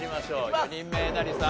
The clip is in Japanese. ４人目えなりさん